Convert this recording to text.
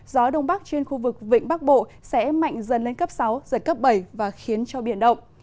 gió đông bắc trên khu vực vịnh bắc bộ sẽ mạnh dần lên cấp sáu giật cấp bảy và khiến cho biển động